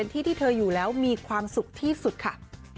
ที่ที่เธออยู่แล้วมีความสุขที่สุดค่ะ